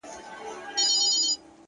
وخت د حقیقت تر ټولو صادق شاهد دی!